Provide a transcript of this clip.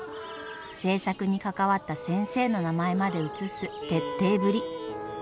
制作に関わった先生の名前まで写す徹底ぶり。